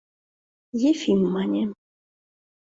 — Ефим мане.